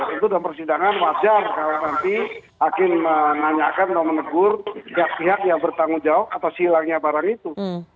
itu dalam persidangan wajar kalau nanti hakim menanyakan atau menegur pihak pihak yang bertanggung jawab atas hilangnya barang itu